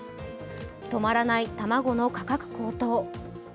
止まらない卵の価格高騰。